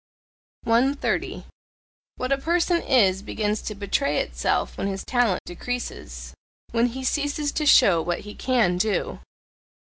130. What a person IS begins to betray itself when his talent decreases, when he ceases to show what he CAN do.